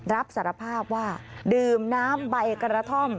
รับสารภาพว่าดื่มน้ำใบกระท่อม